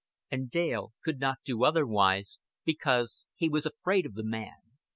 And Dale could not do otherwise, because he was afraid of the man.